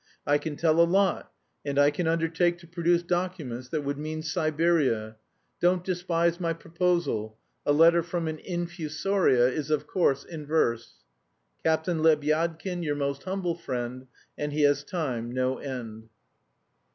I can tell a lot and I can undertake to produce documents that would mean Siberia. Don't despise my proposal. A letter from an infusoria is of course in verse. "Captain Lebyadkin your most humble friend. "And he has time no end."